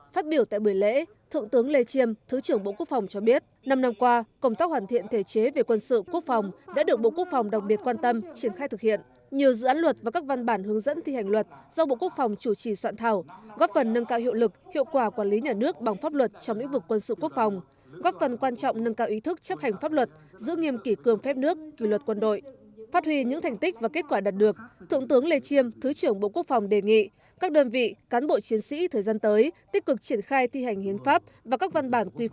phát biểu tại buổi lễ thượng tướng lê chiêm thứ trưởng bộ quốc phòng cho biết năm năm qua cộng tác hoàn thiện thể chế về quân sự quốc phòng đã được bộ quốc phòng đồng biệt quan tâm triển khai thực hiện